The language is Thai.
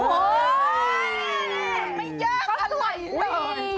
ไม่ยากอะไรเลย